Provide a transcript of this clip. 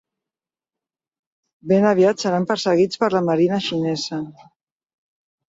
Ben aviat seran perseguits per la marina xinesa.